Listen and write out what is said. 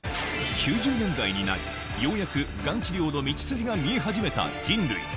９０年代になりようやくガン治療の道筋が見え始めた人類